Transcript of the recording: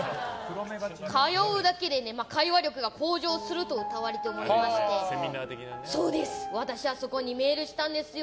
通うだけで会話力が向上するとうたわれておりまして私はそこにメールしたんですよ。